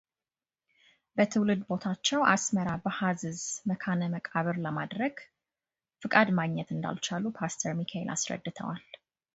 በትውልድ ቦታቸው አሥመራ በሃዝዝ መካነ መቃብር ለማድረግ ፍቃድ ማግኘት እንዳልቻሉ ፓስተር ሚካኤል አስረድተዋል።